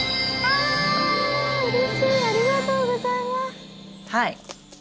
はい。